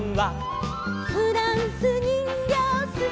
「フランスにんぎょうすてきでしょ」